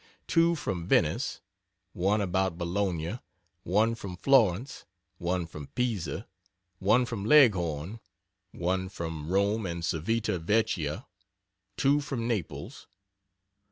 2 from Venice. 1 about Bologna. 1 from Florence. 1 from Pisa. 1 from Leghorn. 1 from Rome and Civita Vecchia. 2 from Naples.